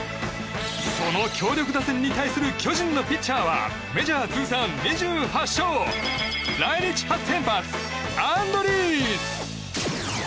その強力打線に対する巨人のピッチャーはメジャー通算２８勝来日初先発アンドリース。